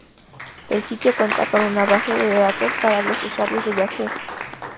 El sitio cuenta con una base de datos para los usuarios de Yahoo!